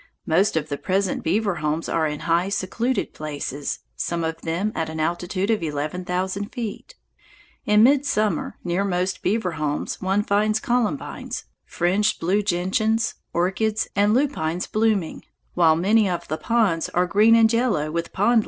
Most of the present beaver homes are in high, secluded places, some of them at an altitude of eleven thousand feet. In midsummer, near most beaver homes one finds columbines, fringed blue gentians, orchids, and lupines blooming, while many of the ponds are green and yellow with pond lilies.